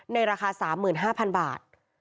ในราคา๓๕๐๐๐บาท